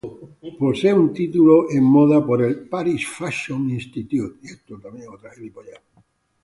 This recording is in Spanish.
Posee un título en moda por el "Paris Fashion Institute".